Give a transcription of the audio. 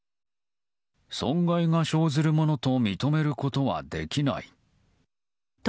損害が生ずるものと認めることはできない。と